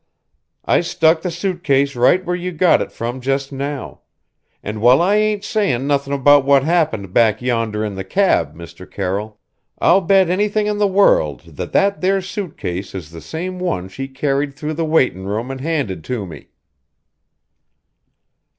I stuck the suit case right where you got it from just now; and while I ain't sayin' nothin' about what happened back yonder in the cab, Mr. Carroll, I'll bet anything in the world that that there suit case is the same one she carried through the waitin' room and handed to me."